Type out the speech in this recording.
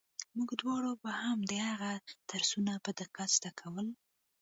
موږ دواړو به هم د هغه درسونه په دقت زده کول.